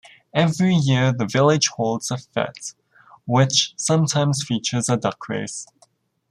Every year the village holds a fete, which sometimes features a duck race.